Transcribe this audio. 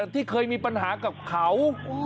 ที่เคยมีปัญหากับเขา